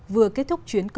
vừa kết thúc chuyến khai sớm